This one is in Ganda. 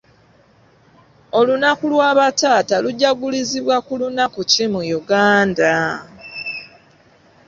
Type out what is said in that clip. Olunaku lwa bataata lujagulizibwa ku lunaku ki mu Uganda?